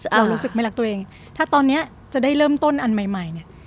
เรารู้สึกไม่รักตัวเองถ้าตอนนี้จะได้เริ่มต้นอันใหม่ใหม่เนี่ย